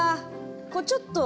こうちょっと。